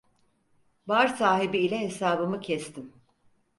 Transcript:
Bar sahibi ile hesabımı kestim.